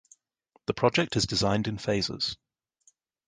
The project is designed in phases.